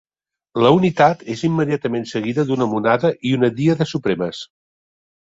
La Unitat és immediatament seguida d'una monada i una díada supremes.